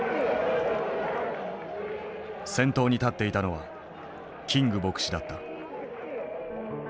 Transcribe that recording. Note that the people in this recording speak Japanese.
先頭に立っていたのはキング牧師だった。